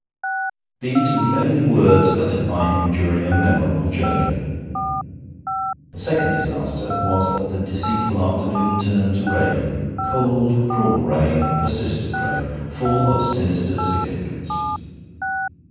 These were the only words uttered by him during a memorable journey. The second disaster was that the deceitful afternoon turned to rain cold, cruel rain, persistent rain, full of sinister significance.